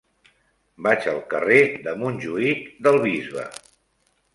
Vaig al carrer de Montjuïc del Bisbe.